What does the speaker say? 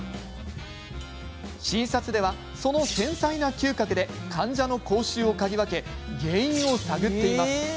診察では、その繊細な嗅覚で患者の口臭を嗅ぎ分け原因を探っています。